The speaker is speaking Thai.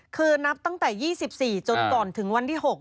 คือนับตั้งแต่๒๔จนก่อนถึงวันที่๖